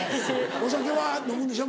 お酒は飲むんでしょ？